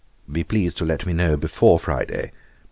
Be pleased to let me know before Friday.